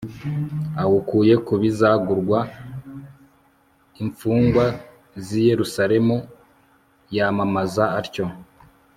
awukuye ku bizagurwa imfungwa z'i yeruzalemu, yamamaza atyo